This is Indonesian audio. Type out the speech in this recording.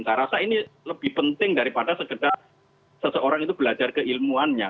saya rasa ini lebih penting daripada sekedar seseorang itu belajar keilmuannya